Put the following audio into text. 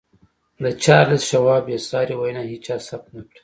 د چارليس شواب بې ساري وينا هېچا ثبت نه کړه.